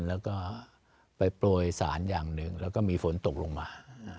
แล้วก็ไปโปรยสารอย่างหนึ่งแล้วก็มีฝนตกลงมา